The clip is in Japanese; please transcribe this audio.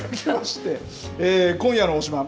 今夜の推しバン！